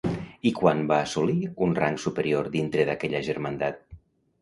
I quan va assolir un rang superior dintre d'aquella germandat?